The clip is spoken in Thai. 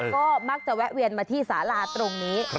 ก็มักจะแวะเวียนมาที่สาลาตรงนี้